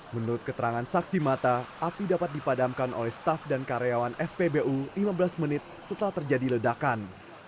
menurut keterangan saksi mata api dapat dipadamkan oleh staff dan karyawan spbu lima belas menit setelah terjadi ledakan